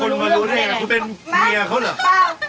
คนมารู้ได้ไงคุณเป็นเมียเขาหรือ